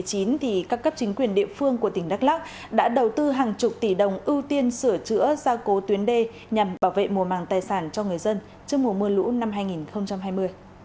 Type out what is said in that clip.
các cấp chính quyền địa phương của tỉnh đắk lắc đã đầu tư hàng chục tỷ đồng ưu tiên sửa chữa gia cố tuyến đê nhằm bảo vệ mùa màng tài sản cho người dân trước mùa mưa lũ năm hai nghìn hai mươi